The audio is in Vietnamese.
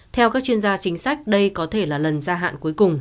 theo các chuyên gia chính sách đây có thể là lần sau